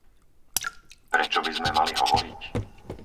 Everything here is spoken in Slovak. Prečo by sme mali hovoriť?